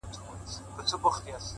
که به دوی هم مهربان هغه زمان سي،